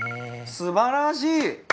すばらしい！